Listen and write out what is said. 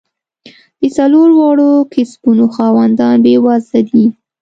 د څلور واړو کسبونو خاوندان بېوزله دي.